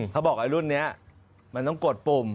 เขาบอกไอ้รุ่นนี้มันต้องกดปุ่ม